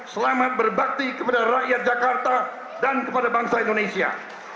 selamat berbakti kepada rakyat jakarta dan kepada bangsa indonesia